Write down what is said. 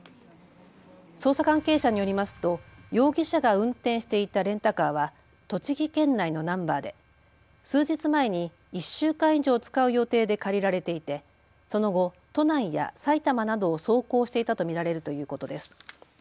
捜査関係者によりますと容疑者が運転していたレンタカーは栃木県内のナンバーで数日前に１週間以上使う予定で借りられていて、その後、都内や埼玉などを走行していたと見られるということです。